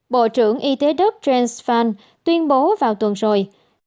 bộ trưởng y tế đức jans fan tuyên bố vào tuần rồi